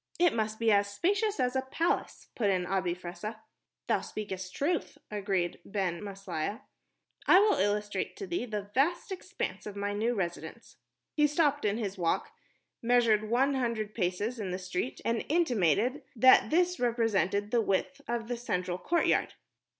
"It must be as spacious as a palace," put in Abi Fressah. "Thou speakest truth," agreed Ben Maslia. "I will illustrate to thee the vast expanse of my new residence." He stopped in his walk, measured one hundred paces in the street, and intimated that this represented the width of the central courtyard.